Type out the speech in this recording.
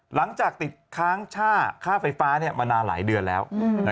หลังจากติดค้างค่าไฟฟ้ามานานหลายเดือนแล้ว